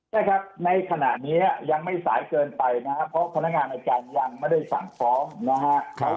ใช่ครับในขณะนี้ยังไม่สายเกินไปนะครับ